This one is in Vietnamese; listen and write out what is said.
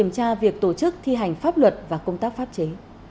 để tổ chức thi hành pháp luật và công tác pháp chế